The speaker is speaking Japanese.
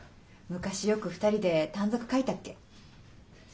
昔よく２人で短冊書いたっけ。